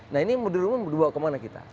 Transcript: nah ini muda rumah muda bawa kemana kita